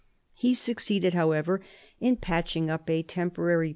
He succeeded, however, in patching up a temporary OLD AGE.